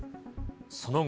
その後。